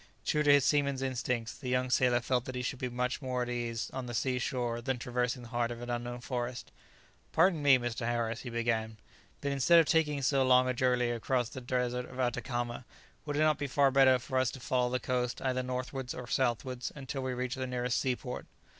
True to his seaman's instincts, the young sailor felt that he should be much more at his ease on the sea shore than traversing the heart of an unknown forest. "Pardon me, Mr. Harris," he began, "but instead of taking so long a journey across the desert of Atacama, would it not be far better for us to follow the coast either northwards or southwards, until we reach the nearest seaport?"